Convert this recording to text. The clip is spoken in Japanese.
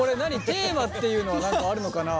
テーマっていうのは何かあるのかな？